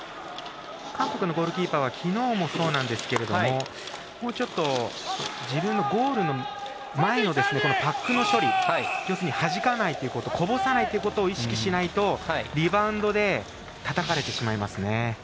韓国のゴールキーパーはきのうもそうなんですけれどももうちょっと自分のゴールの前のパックの処理、要するにはじかないこぼさないということを意識しないとリバウンドでたたかれてしまいますね。